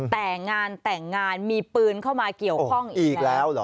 แต่งานแต่งงานมีปืนเข้ามาเกี่ยวข้องอีกแล้วเหรอ